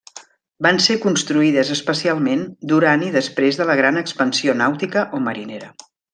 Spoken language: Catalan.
Van ser construïdes especialment durant i després de la gran expansió nàutica o marinera.